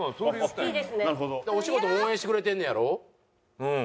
お仕事応援してくれてんねやろ？